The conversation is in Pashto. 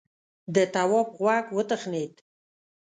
د تواب غوږ وتخڼيد: